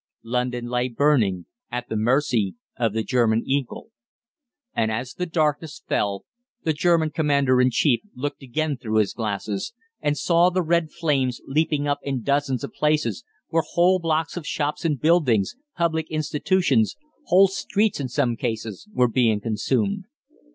London lay burning at the mercy of the German eagle. And as the darkness fell the German Commander in Chief looked again through his glasses, and saw the red flames leaping up in dozens of places, where whole blocks of shops and buildings, public institutions, whole streets in some cases, were being consumed.